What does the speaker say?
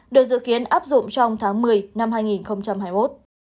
được dự kiến áp dụng trong tháng một mươi năm hai nghìn hai mươi một